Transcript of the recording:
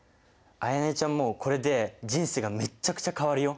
絢音ちゃんもこれで人生がめっちゃくちゃ変わるよ。